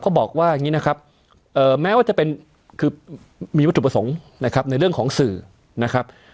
บอกว่าอย่างนี้นะครับแม้ว่าจะเป็นคือมีวัตถุประสงค์นะครับในเรื่องของสื่อนะครับ